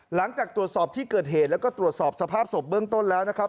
หลังจากตรวจสอบที่เกิดเหตุแล้วก็ตรวจสอบสภาพศพเบื้องต้นแล้วนะครับ